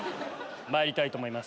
まいりたいと思います